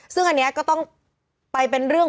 ซึ่งอันนี้ก็ต้องไปเป็นเรื่อง